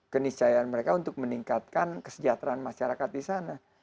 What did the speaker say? keniscayaan mereka untuk meningkatkan kesejahteraan masyarakat di sana